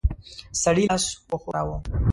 سړي لاس وښوراوه.